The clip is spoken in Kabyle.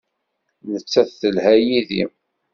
Nettat telha yid-i.